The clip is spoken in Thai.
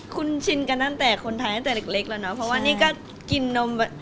คุณชินกันคนไทยตั้งแต่เล็กก็กินนม